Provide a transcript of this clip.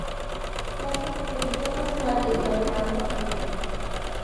La secretaría internacional está en Madrás, India.